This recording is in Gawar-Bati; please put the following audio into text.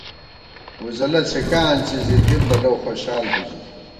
ووزَلہ څھِکہ آنڅی زی دِم بہ لؤخوشال بی ژِی